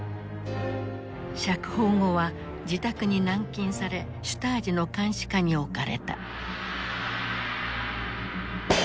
釈放後は自宅に軟禁されシュタージの監視下に置かれた。